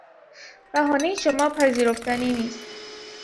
بهانهی شما پذیرفتنی نیست.